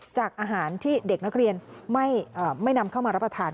จากอาหารที่เด็กนักเรียนไม่นำเข้ามารับประทาน